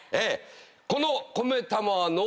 この。